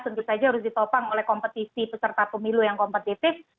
tentu saja harus ditopang oleh kompetisi peserta pemilu yang kompetitif